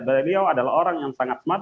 beliau adalah orang yang sangat smart